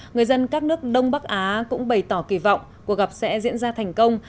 người dân các nước đông bắc á cũng bày tỏ kỳ vọng cuộc gặp sẽ diễn ra thành công